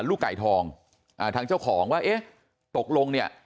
ลูกไก่ทองอ่าทางเจ้าของว่าเอ๊ะตกลงเนี่ย